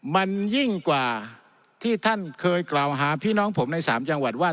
มันยิ่งกว่าที่ท่านเคยกล่าวหาพี่น้องผมใน๓จังหวัดว่า